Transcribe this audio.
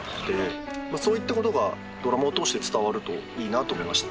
そういったことがドラマを通して伝わるといいなと思いました。